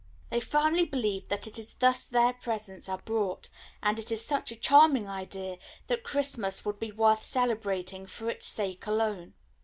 They firmly believe that it is thus their presents are brought, and it is such a charming idea that Christmas would be worth celebrating for its sake alone.